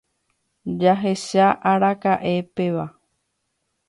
Jahecha araka'epevépa.